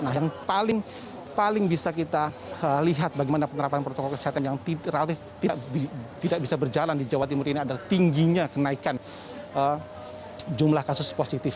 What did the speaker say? nah yang paling bisa kita lihat bagaimana penerapan protokol kesehatan yang relatif tidak bisa berjalan di jawa timur ini adalah tingginya kenaikan jumlah kasus positif